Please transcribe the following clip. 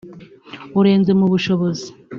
urenze mu bushobozi